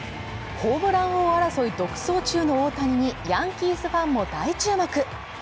ホームラン王争い独走中の大谷にヤンキースファンも大注目。